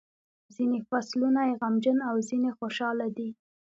ځینې فصلونه یې غمجن او ځینې خوشاله دي.